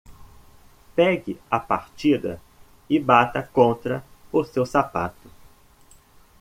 Pegue a partida e bata contra o seu sapato.